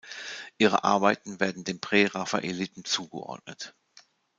Ihre Arbeiten werden den Präraffaeliten zugeordnet.